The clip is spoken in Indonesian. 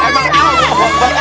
jangan lupa ya